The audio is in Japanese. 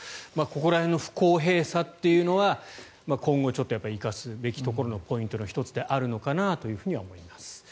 ここら辺の不公平さというのは今後生かすべきところのポイントの１つであるのかなと思います。